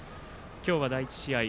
今日は第１試合